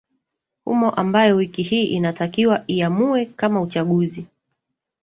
humo ambayo wiki hii inatakiwa iamuwe kama uchaguzi